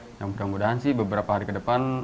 mudah mudahan sih beberapa hari ke depan